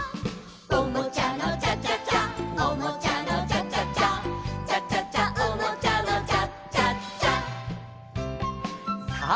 「おもちゃのチャチャチャおもちゃのチャチャチャ」「チャチャチャおもちゃのチャチャチャ」さあ